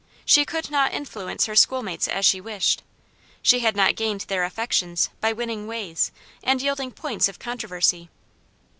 She could not influence her schoolmates as she wished. She had not gained their affections by winning ways and yielding points of controversy.